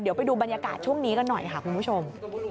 เดี๋ยวไปดูบรรยากาศช่วงนี้กันหน่อยค่ะคุณผู้ชม